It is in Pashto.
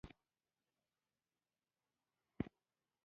دا بنسټونه مالیه نه ورکوي.